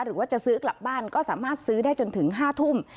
หรือว่าจะซื้อกลับบ้านก็สามารถซื้อได้จนถึง๕ทุ่ม